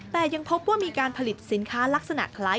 แต่ยังพบว่ามีการผลิตสินค้าลักษณะคล้าย